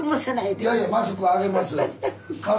いやいやマスクあげます。